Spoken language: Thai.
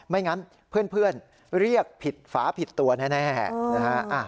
ไม่งั้นเพื่อนเรียกผิดฝาผิดตัวแน่นะฮะ